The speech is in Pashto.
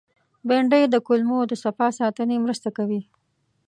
بېنډۍ د کولمو د صفا ساتنې مرسته کوي